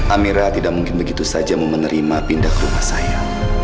amera tidak mungkin begitu saja menerima pindah ke rumah saya